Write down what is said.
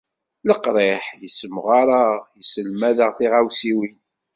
leqriḥ yessemɣar-aɣ, yesselmad-aɣ tiɣawsiwin.